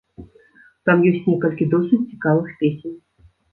Там ёсць некалькі досыць цікавых песень.